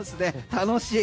楽しい。